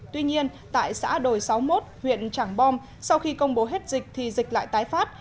tuy nhiên tại xã đồi sáu mươi một huyện trảng bom sau khi công bố hết dịch thì dịch lại tái phát